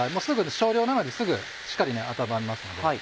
少量なのですぐしっかり温まりますので。